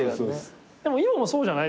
でも今もそうじゃない？